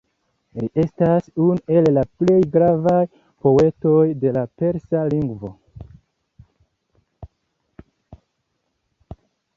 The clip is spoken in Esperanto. Li estas unu el la plej gravaj poetoj de la persa lingvo.